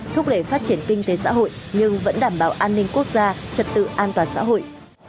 thúc đẩy phát triển kinh tế xã hội nhưng vẫn đảm bảo an ninh quốc gia trật tự an toàn xã hội